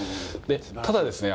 ただですね